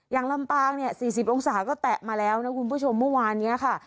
ลำปางเนี่ย๔๐องศาก็แตะมาแล้วนะคุณผู้ชมเมื่อวานนี้ค่ะ